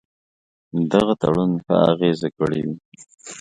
دغه تړون ښه اغېزه کړې وي.